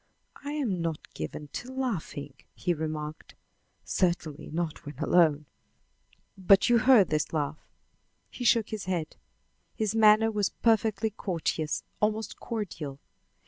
"I am not given to laughing," he remarked; "certainly not when alone." "But you heard this laugh?" He shook his head. His manner was perfectly courteous, almost cordial.